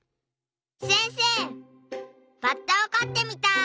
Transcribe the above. せんせいバッタをかってみたい！